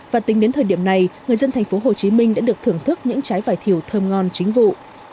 và tính đến thời điểm này người dân thành phố hồ chí minh đã được thưởng thức những trái vải thiều thơm ngon chính vụ